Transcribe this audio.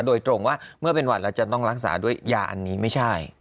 โดยตรงว่าเมื่อเป็นหวัดแล้วจะต้องรักษาด้วยยาอันนี้ไม่ใช่